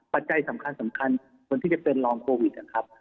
ปัจจัยสำคัญคนที่จะเป็นรองโควิดนะครับ